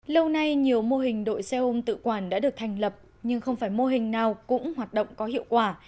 lâu nay nhiều mô hình đội xe ôm tự quản đã được thành lập nhưng không phải mô hình nào cũng hoạt động có hiệu quả